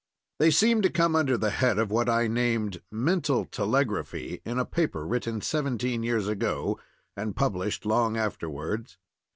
They seem to come under the head of what I named "Mental Telegraphy" in a paper written seventeen years ago, and published long afterwards.